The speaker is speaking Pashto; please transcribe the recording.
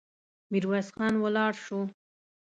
ميرويس خان ولاړ شو.